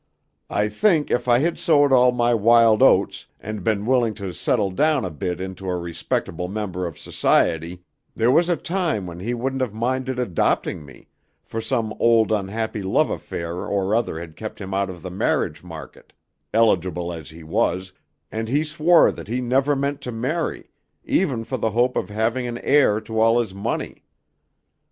I think if I had sowed all my wild oats, and been willing to settle down a bit into a respectable member of society, there was a time when he wouldn't have minded adopting me, for some old, unhappy love affair or other had kept him out of the marriage market, eligible as he was, and he swore that he never meant to marry, even for the hope of having an heir to all his money.